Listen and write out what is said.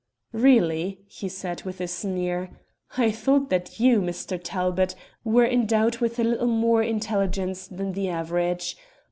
"'Really,' he said, with a sneer, 'I thought that you, Mr. Talbot, were endowed with a little more intelligence than the average.